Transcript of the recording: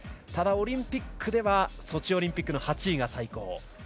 ただ、オリンピックではソチオリンピックの８位が最高。